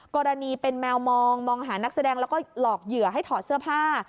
กรณีเป็นแมวมองมองหานักแสดงแล้วก็หลอกเหยื่อให้ถอดเสื้อผ้า